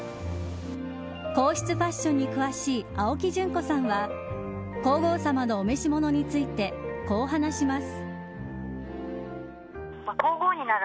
皇室ファッションに詳しい青木淳子さんは皇后さまのお召し物についてこう話します。